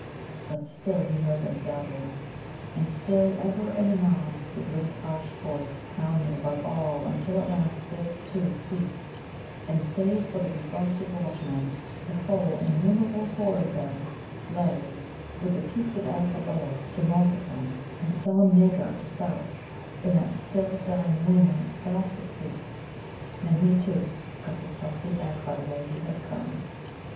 But still he heard them gabbling, and still, ever and anon, the great harsh voice sounding above all until at last this, too, ceased, and save for the befrosted watchmen, the whole innumerable horde of them lay with the peaks of Arakkaboa to north of them, and Sulemnāgar to south in that still dying moonlight fast asleep. Then he, too, scuffled softly back by the way he had come.